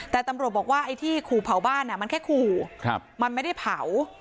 แต่ตำรวจบอกว่าไอ้ที่ขู่เผาบ้านมันแค่ขู่มันไม่ได้เผา